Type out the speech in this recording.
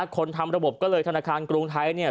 คนทำระบบก็เลยธนาคารกรุงไทยเนี่ย